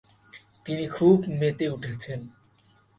তিনি খুব মেতে উঠেছেন।